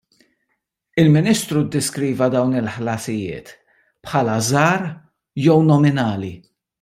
Il-Ministru ddeskriva dawn il-ħlasijiet bħala żgħar jew nominali.